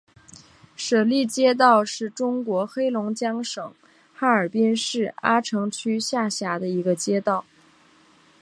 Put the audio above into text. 舍利街道是中国黑龙江省哈尔滨市阿城区下辖的一个街道。